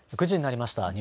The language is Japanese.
９時になりました。